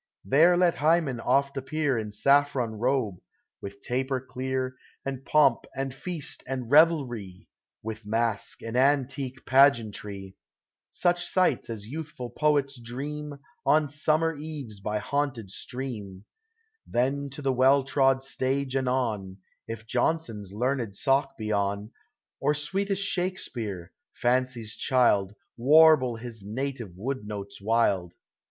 There let Hymen oft appear In saffron robe, with taper clear, And pomp and feast and revelry, With masque, and antique pageantry,— Such sights as youthful poets dream On summer eves by haunted stream ; Then to the well trod stage anon, If Jonson's learned sock be on, Or sweetest Shakespeare, Fancy's child, Warble his native wood notes wild.